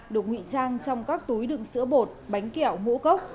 được ngụy trang trong các túi đựng sữa bột bánh kẹo mũ cốc